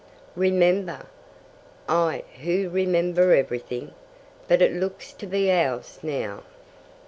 "Remember? I who remember everything! But it looks to be ours now."